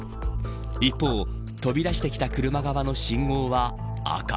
一方、飛び出してきた車側の信号は赤。